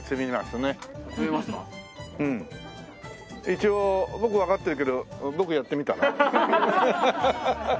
一応僕わかってるけどボクやってみたら？